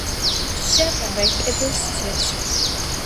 შეაყარე კედელს ცერცვი